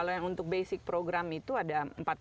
kalau yang untuk basic program itu ada empat puluh